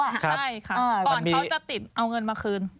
ก่อนเขาจะติดเอาเงินมาคืน